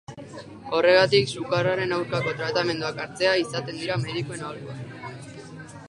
Horregatik, sukarraren aurkako tratamenduak hartzea izaten dira medikuen aholkuak.